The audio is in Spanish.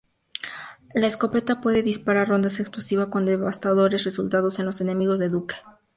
La escopeta puede disparar rondas explosivas con devastadores resultados en los enemigos de Duke.